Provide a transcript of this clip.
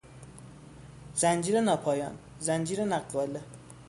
زنجیر ناپایان، زنجیر نقاله